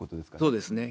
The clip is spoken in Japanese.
そうですね。